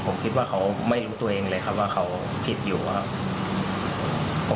ผมคิดว่าเขาไม่รู้ตัวเองเลยครับว่าเขาผิดอยู่ครับ